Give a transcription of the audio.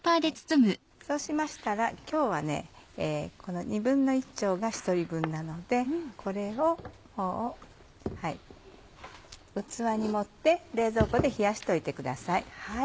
そうしましたら今日はこの１／２丁が１人分なのでこれをこう器に盛って冷蔵庫で冷やしておいてください。